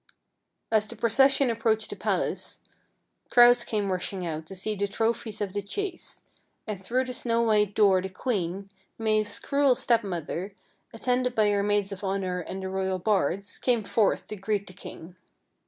As the procession approached the palace crowds came rushing out to see the trophies of the chase, and through the snow white door the queen, Mave*s cruel stepmother, attended by her THE HOUSE IN THE LAKE 41 inaids of honor and the royal bards, came forth to greet the king.